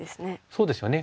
そうですよね